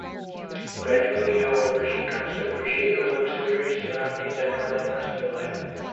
Gradually, however, she comes to appreciate her luxurious surroundings and her glamorous new life.